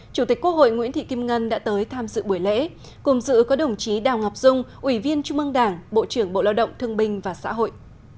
chủ tịch quốc hội nguyễn thị kim ngân đã tới tham dự buổi lễ cùng dự có đồng chí đào ngọc dung ủy viên trung mương đảng bộ trưởng bộ lao động thương binh và xã hội